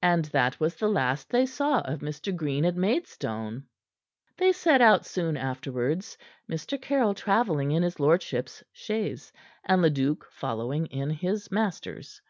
And that was the last they saw of Mr. Green at Maidstone. They set out soon afterwards, Mr. Caryll travelling in his lordship's chaise, and Leduc following in his master's.